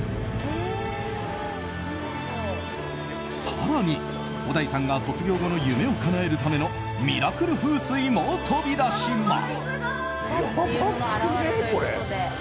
更に、小田井さんが卒業後の夢をかなえるためのミラクル風水も飛び出します。